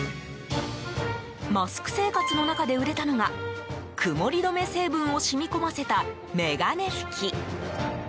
マスク生活の中で売れたのが曇り止め成分を染み込ませた眼鏡拭き。